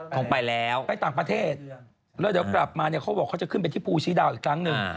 คงไปแล้วไปต่างประเทศแล้วเดี๋ยวกลับมาเนี่ยเขาบอกเขาจะขึ้นไปที่ภูชีดาวอีกครั้งหนึ่ง